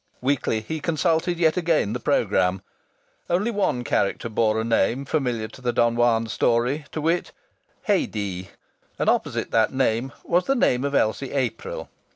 Weakly he consulted yet again the programme. Only one character bore a name familiar to the Don Juan story, to wit "Haidee," and opposite that name was the name of Elsie April.